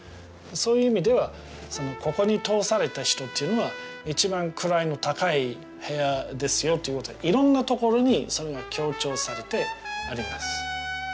そういう意味ではここに通された人というのは一番位の高い部屋ですよということでいろんなところにそれが強調されてあります。